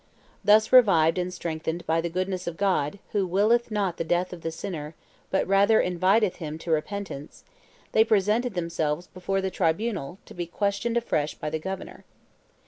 Thus revived and strengthened by the goodness of God, who willeth not the death of the sinner, but rather inviteth him to repentance, they presented themselves before the tribunal, to be questioned afresh by the governor.